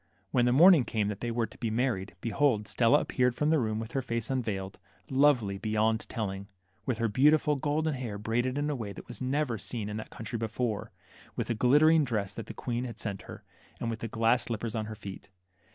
When the morning came that they were to be married, behold, Stella appeared from the room with her face unveiled, lovely beyond telling, with her THE MERMAID. 23 beautiful golden hair braided in a way that was never seen in that country before ; with the glitter ing dress that the Queen had sent her ; and with the glass slippers on her feet.